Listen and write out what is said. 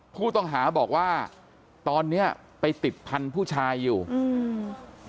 ผู้ต้องหาบอกว่าตอนเนี้ยไปติดพันธุ์ผู้ชายอยู่อืม